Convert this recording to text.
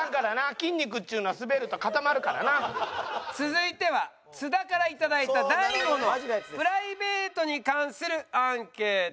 筋肉っちゅうのは続いては津田から頂いた大悟のプライベートに関するアンケートです。